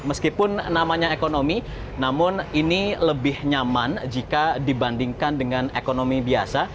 meskipun namanya ekonomi namun ini lebih nyaman jika dibandingkan dengan ekonomi biasa